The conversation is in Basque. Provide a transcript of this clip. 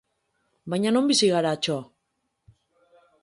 Baina non bizi gara, txo!